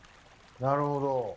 なるほど。